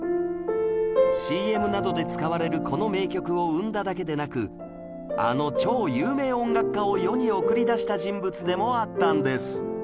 ＣＭ などで使われるこの名曲を生んだだけでなくあの超有名音楽家を世に送り出した人物でもあったんです